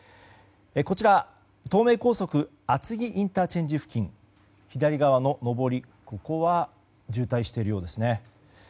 こちら東名高速厚木ＩＣ付近左側の上りは渋滞しているようですね。